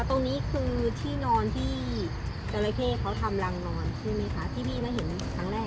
ตรงนี้คือที่นอนที่จราเข้เขาทำรังนอนใช่ไหมคะที่พี่น่ะเห็นครั้งแรก